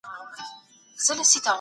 تاسي ولي د جنګونو مخالفت نه کوئ؟